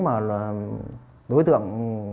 mà là đối tượng